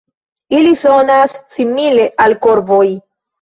Ili sonas simile al korvoj.